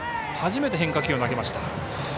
初めて変化球を投げました。